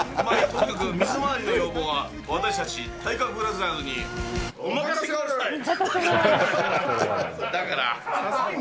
とにかく水回りの要望は私たち体格ブラザーズにお任せください。